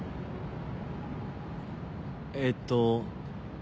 えっと。